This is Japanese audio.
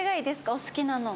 お好きなの。